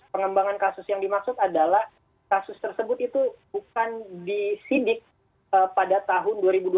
pengembangan kasus yang dimaksud adalah kasus tersebut itu bukan disidik pada tahun dua ribu dua puluh